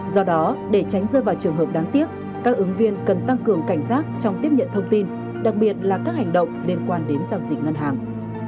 do đó để tránh rơi vào trường hợp đáng tiếc các ứng viên cần tăng cường cảnh giác trong tiếp nhận thông tin đặc biệt là các hành động liên quan đến giao dịch ngân hàng